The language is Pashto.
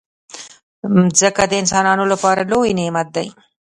مځکه د انسانانو لپاره لوی نعمت دی.